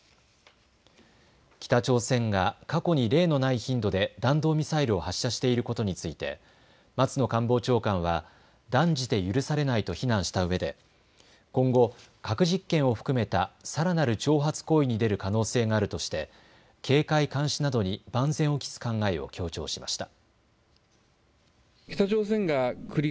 北朝鮮が過去に例のない頻度で弾道ミサイルを発射していることについて松野官房長官は断じて許されないと非難したうえで今後、核実験を含めたさらなる挑発行為に出る可能性があるとして警戒監視などに万全を期す考えを強調しました。